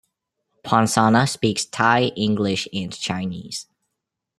Ponsana speaks Thai, English, and Chinese.